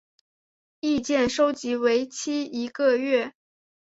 意见收集为期一个月。